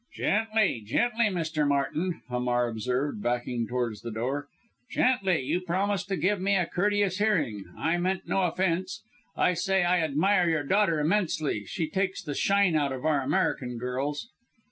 "Gently, gently, Mr. Martin!" Hamar observed, backing towards the door. "Gently you promised to give me a courteous hearing. I meant no offence. I say I admire your daughter immensely she takes the shine out of our American girls."